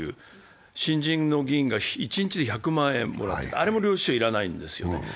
新人の議員が一日で１００万円もらった、あれも領収書要らないんですよね。